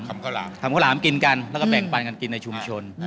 ข้าวหลามทำข้าวหลามกินกันแล้วก็แบ่งปันกันกินในชุมชน